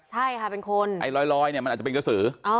ใช่ค่ะเป็นคนไอ้ลอยเนี่ยมันอาจจะเป็นกระสือ